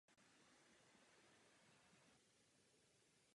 Je považována za rostlinu vhodnou pro pěstování i pro začátečníky.